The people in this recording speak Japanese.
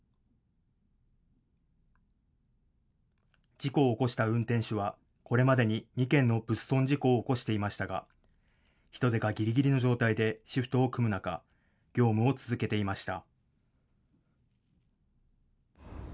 事故を起こした運転手はこれまでに２件の物損事故を起こしていましたが人手がぎりぎりの状態でシフトを組む中、業務を続けていました。